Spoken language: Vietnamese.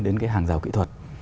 đến cái hàng rào kỹ thuật